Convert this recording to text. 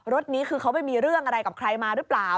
รถนี้คือเขาไปมีเรื่องอะไรกับใครมาหรือเปล่า